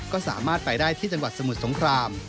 ก็สามารถไปได้ที่จังหวัดสมุทรสงคราม